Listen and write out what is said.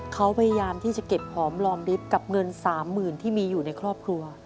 เขาพยายามที่จะเก็บหอมรอมลิฟต์กับเงิน๓๐๐๐ที่มีอยู่ในครอบครัว